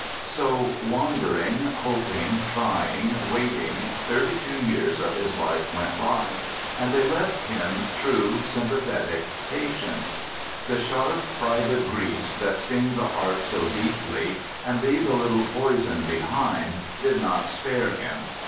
So, wandering, hoping, trying, waiting, thirty two years of his life went by, and they left him true, sympathetic, patient. The sharp private griefs that sting the heart so deeply, and leave a little poison behind, did not spare him.